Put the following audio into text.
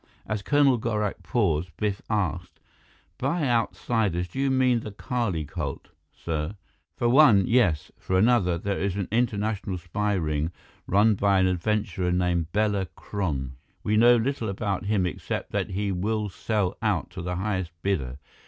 As Colonel Gorak paused, Biff asked, "By outsiders, do you mean the Kali cult, sir?" "For one, yes. For another, there is an international spy ring, run by an adventurer named Bela Kron. We know little about him, except that he will sell out to the highest bidder.